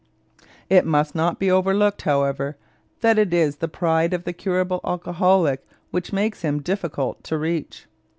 It must not be overlooked, however, that it is the pride of the curable alcoholic which makes him difficult to reach.